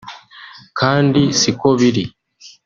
kandi si ko biri